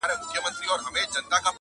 دا زموږ جونګړه بورجل مه ورانوی٫